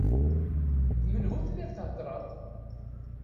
D menhu telliḍ theddreḍ?